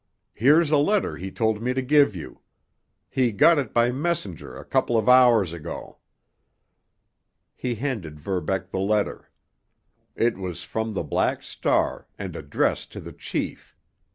Here's a letter he told me to give you. He got it by messenger a couple of hours ago." He handed Verbeck the letter. It was from the Black Star and addressed to the chief.